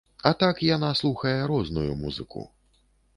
А так яна слухае розную музыку.